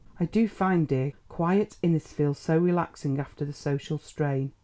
I do find dear, quiet Innisfield so relaxing after the social strain."